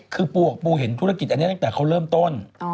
คือปูเห็นธุรกิจอันนี้ตั้งแต่เขาเริ่มต้น